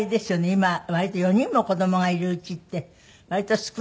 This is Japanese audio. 今割と４人も子供がいる家って割と少ないんじゃない？